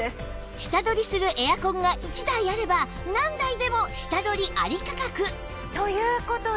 下取りするエアコンが１台あれば何台でも下取りあり価格という事で。